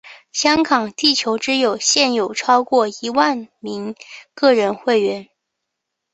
香港地球之友现有超过一万名个人会员。